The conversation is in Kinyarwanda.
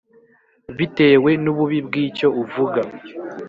bitewe n’ububi bw’icyo uvuga